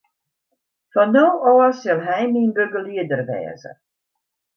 Fan no ôf sil hy myn begelieder wêze.